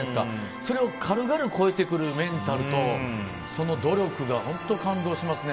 それを軽々超えてくるメンタルとその努力が本当、感動しますね。